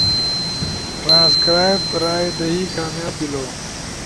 ٹرانسکرائب رائے دہی کامیاب بیلو